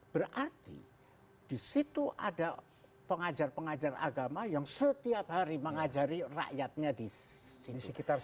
berarti disitu ada pengajar pengajar agama yang setiap hari mengajari rakyatnya disitu